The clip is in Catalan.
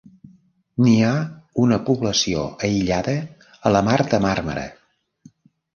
N'hi ha una població aïllada a la mar de Màrmara.